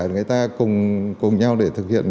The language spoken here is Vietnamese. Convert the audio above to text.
người ta cùng nhau để thực hiện